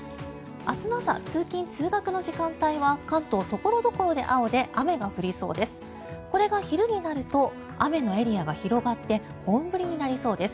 明日の朝、通勤・通学の時間帯は関東、ところどころで青で雨が降りそうです。